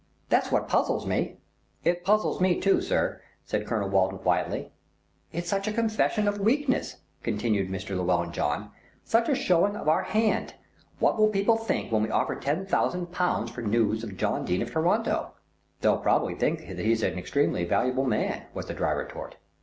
That's what puzzles me." "It puzzles me too, sir," said Colonel Walton quietly. "It's such a confession of weakness," continued Mr. Llewellyn John, "such a showing of our hand. What will people think when we offer ten thousand pounds for news of John Dene of Toronto?" "They'll probably think that he's an extremely valuable man," was the dry retort.